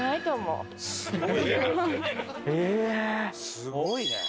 すごいね！